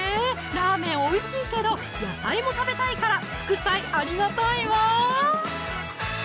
ラーメンおいしいけど野菜も食べたいから副菜ありがたいわ！